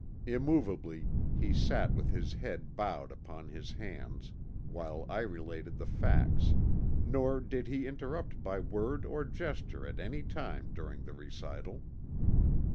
Immovably he sat with his head bowed upon his hands while I related the facts, nor did he interrupt by word or gesture at any time during the recital.